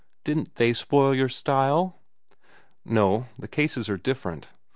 Didn't they spoil your style?" "No, the cases are different.